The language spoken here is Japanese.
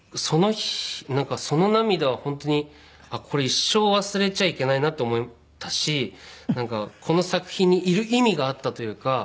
なんかその涙は本当にあっこれ一生忘れちゃいけないなって思ったしこの作品にいる意味があったというか。